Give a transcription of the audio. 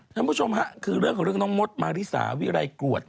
คุณผู้ชมค่ะคือเรื่องของเรื่องน้องมดมาริสาวิไรกรวด